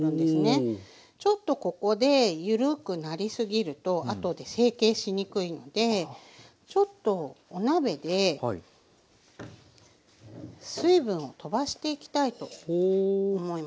ちょっとここで緩くなりすぎるとあとで成形しにくいのでちょっとお鍋で水分をとばしていきたいとほう。